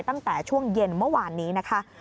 ตั้งแต่ช่วงเย็นเมื่อวานนี้นะคะ